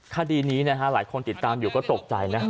คดีนี้นะฮะหลายคนติดตามอยู่ก็ตกใจนะ